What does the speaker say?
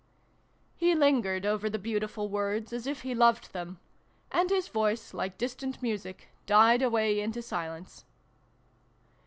' He lingered over the beautiful words, as if he loved them : and his voice, like distant music, died away into silence.